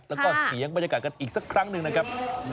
แล้วก็เสียงบรรยากาศกันอีกสักครั้งหนึ่งนะครับ